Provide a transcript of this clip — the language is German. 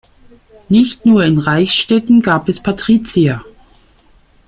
Nicht nur in Reichsstädten gab es Patrizier.